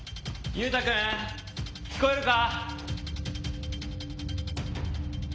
優太君聞こえるか？